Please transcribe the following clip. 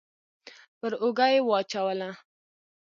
پر اوږه يې واچوله.